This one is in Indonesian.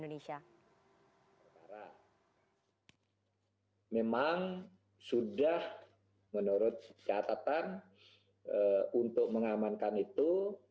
memang sudah menurut catatan untuk mengamankan itu